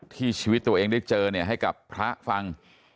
ชีวิตตัวเองได้เจอให้กับพระฟัง